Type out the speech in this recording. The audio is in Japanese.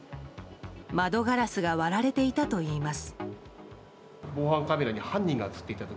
窓ガラスが割られていたといいます。